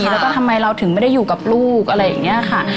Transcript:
แล้วก็ทำไมเราถึงไม่ได้อยู่กับลูกอะไรอย่างนี้ค่ะ